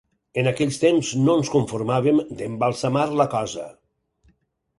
En aquells temps no ens conformàvem d'embalsamar la cosa.